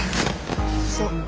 そう。